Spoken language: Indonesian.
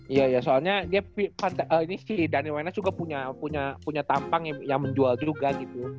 iya iya soalnya daniel wainas juga punya tampang yang menjual juga gitu